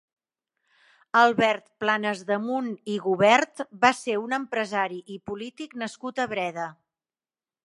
Albert Planasdemunt i Gubert va ser un empresari i polític nascut a Breda.